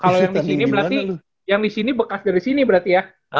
kalau yang di sini berarti yang di sini bekas dari sini berarti ya